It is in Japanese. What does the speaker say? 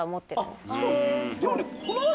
でもね。